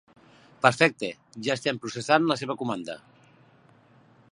Perfecte, ja estem processant la seva comanda.